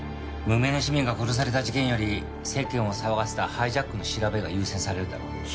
無名の市民が殺された事件より世間を騒がせたハイジャックの調べが優先されるだろう。